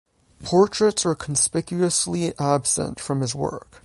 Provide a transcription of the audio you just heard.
Portraits are conspicuously absent from his work.